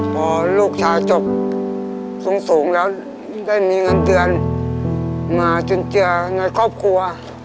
พอลูกชายจบสูงแล้วได้มีเงินเดือนมาจุนเจือในครอบครัว